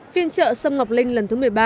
phiên trợ xâm ngọc linh lần thứ một mươi ba